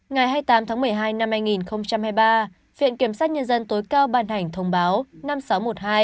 ngày hai mươi tám tháng một mươi hai năm hai nghìn hai mươi ba viện kiểm sát nhân dân tối cao bàn hành thông báo